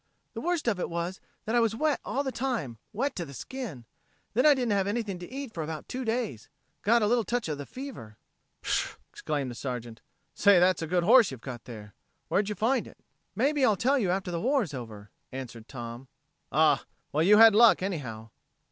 "The worst of it was that I was wet all the time, wet to the skin. Then I didn't have anything to eat for about two days. Got a little touch of the fever." "Pshaw!" exclaimed the Sergeant. "Say, that's a good horse you've got there! Where did you find it?" "Maybe I'll tell you after the war's over," answered Tom. "Ah! Well, you had luck, anyhow."